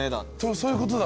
そういうことだ。